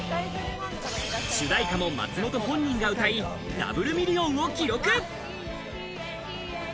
主題歌も松本本人が歌い、ダブルミリオンを記録。